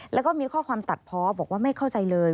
แล้วก็มีข้อความตัดเพาะบอกว่าไม่เข้าใจเลย